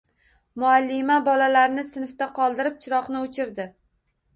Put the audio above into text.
Muallima bolalarni sinfda qoldirib chiroqni o`chirdi